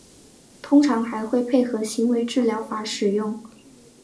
通常还会配合行为治疗法使用。